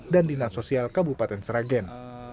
dan dinas sosial kabupaten sragen